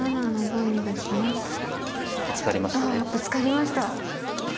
ぶつかりました！